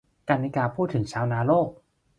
กรรณิการ์ พูดถึง ชาวนาโลก